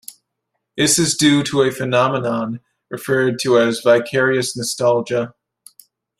This is due to a phenomenon referred to as vicarious nostalgia.